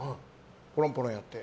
ポロンポロンやって。